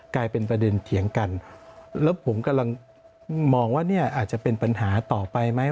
กลายเป็นประเด็นเถียงกันแล้วผมกำลังมองว่าเนี่ยอาจจะเป็นปัญหาต่อไปไหม